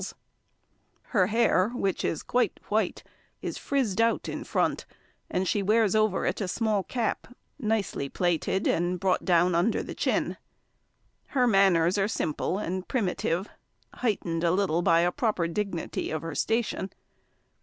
[Illustration: The Old Housekeeper] Her hair, which is quite white, is frizzed out in front, and she wears over it a small cap, nicely plaited, and brought down under the chin. Her manners are simple and primitive, heightened a little by a proper dignity of station.